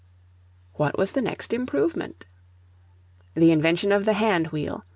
What was the next improvement? The invention of the hand wheel.